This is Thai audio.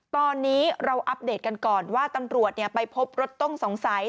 ตอนนี้เราอัปเดตกันก่อนว่าตำรวจไปพบรถต้องสงสัย